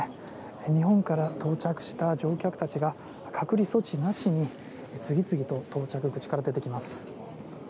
日本から到着した乗客たちが隔離措置なしに次々と到着口から出てきます。